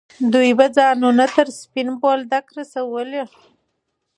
دوی به ځانونه تر سپین بولدکه رسولي.